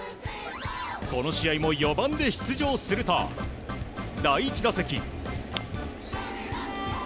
この試合も４番で出場すると第１打席。